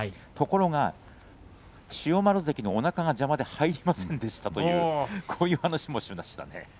ところが千代丸関のおなかが邪魔で入れませんでしたという話でした。